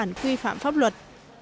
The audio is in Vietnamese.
văn bản quy phạm pháp luật